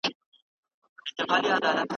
زه بايد سبزيجات وخورم.